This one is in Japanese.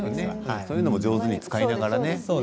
そういうものも上手に使いながらね。